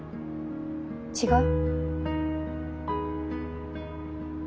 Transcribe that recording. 違う？